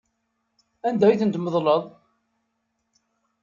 Anda i ten-tmeḍleḍ?